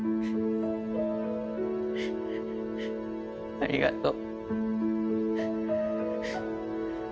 ありがとう。